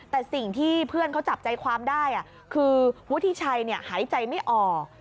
แต่สิ่งที่เพื่อนเขาจับใจความได้คือวุฒิชัยหายใจไม่ออก